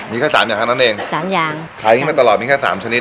มีแค่สามอย่างครับนั้นเองสามอย่างขายอย่างงี้มาตลอดมีแค่สามชนิด